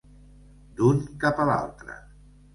D'un cap a l'altre.